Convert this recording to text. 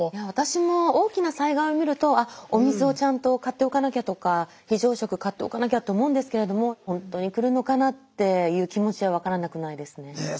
私も大きな災害を見るとお水をちゃんと買っておかなきゃとか非常食買っておかなきゃって思うんですけれどもっていう気持ちは分からなくないですね。